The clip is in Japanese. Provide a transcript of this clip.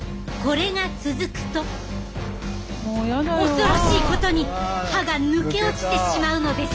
恐ろしいことに歯が抜け落ちてしまうのです。